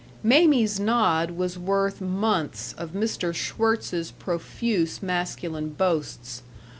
Mamie's nod was worth months of Mr. Schwirtz's profuse masculine boasts.